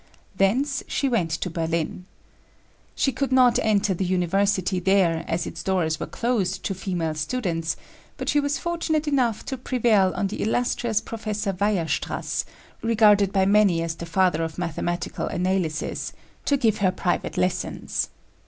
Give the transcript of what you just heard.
Thence she went to Berlin. She could not enter the University there, as its doors were closed to female students; but she was fortunate enough to prevail on the illustrious Professor Weierstrass, regarded by many as the father of mathematical analysis, to give her private lessons.